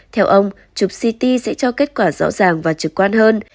theo ông chụp ct sẽ cho kết quả rõ ràng và trực quan hơn